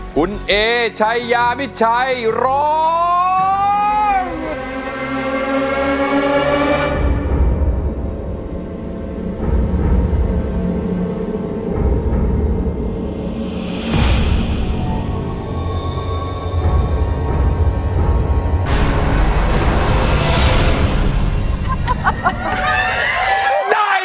คุณเอชัยยามิชัยร้อง